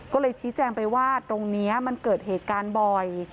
ก็เลยชี้แจงไปว่าตรงนี้มันเกิดเหตุการณ์บ่อย